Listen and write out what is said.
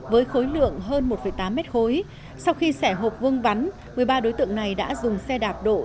với khối lượng hơn một tám mét khối sau khi xẻ hộp vương vắn một mươi ba đối tượng này đã dùng xe đạp độ